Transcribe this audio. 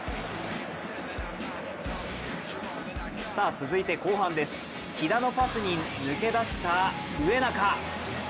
続いて後半です、喜田のパスに抜け出した植中。